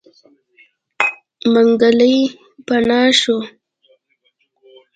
منګلی پناه شو.